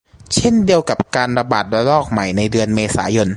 เช่นเดียวกับการระบาดระลอกใหม่ในเดือนเมษายน